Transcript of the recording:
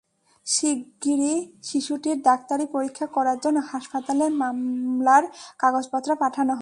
শিগগিরই শিশুটির ডাক্তারি পরীক্ষা করার জন্য হাসপাতালে মামলার কাগজপত্র পাঠানো হবে।